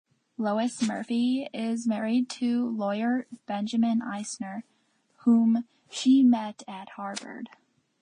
Lois Murphy is married to lawyer Benjamin Eisner, whom she met at Harvard.